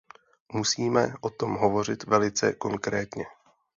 Musíme o tom hovořit velice konkrétně.